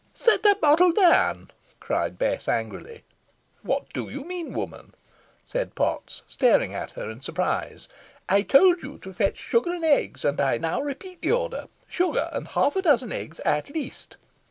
"Set the bottle down," cried Bess, angrily. "What do you mean, woman!" said Potts, staring at her in surprise. "I told you to fetch sugar and eggs, and I now repeat the order sugar, and half a dozen eggs at least."